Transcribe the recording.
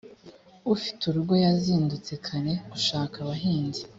ufite urugo yazindutse kare gushaka abahinzi